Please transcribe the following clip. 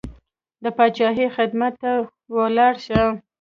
د پاچاهۍ خدمت ته ولاړ شي.